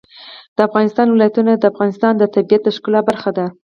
د افغانستان ولايتونه د افغانستان د طبیعت د ښکلا برخه ده.